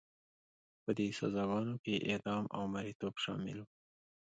په دې سزاګانو کې اعدام او مریتوب شامل وو.